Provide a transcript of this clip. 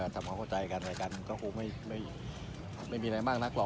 ทำความเข้าใจกันอะไรกันก็คงไม่มีอะไรมากนักหรอก